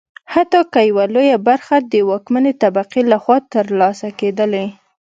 حتی که یوه لویه برخه د واکمنې طبقې لخوا ترلاسه کېدلی.